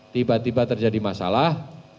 tiba tiba terjadi masalah